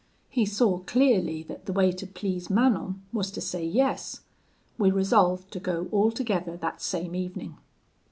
He saw clearly that the way to please Manon was to say yes: we resolved to go all together that same evening.